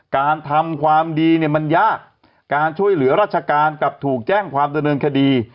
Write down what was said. การทำความดีเนี่ยมันยากการช่วยเหลือราชการกลับถูกแจ้งความดำเนินคดี